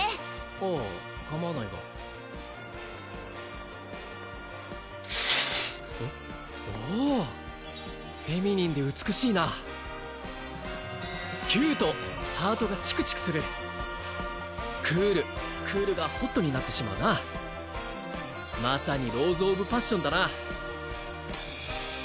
ああかまわないがおおっフェミニンで美しいなキュートハートがチクチクするクールクールがホットになってしまうなまさにローズオブパッションだなＩ